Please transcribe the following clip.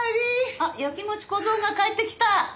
あっ焼きもち小僧が帰ってきた！